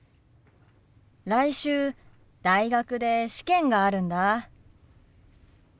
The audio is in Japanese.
来週大学で試験があるんだ。